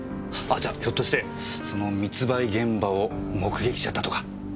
あじゃひょっとしてその密売現場を目撃しちゃったとか？